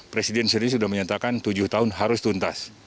presiden sendiri sudah menyatakan tujuh tahun harus tuntas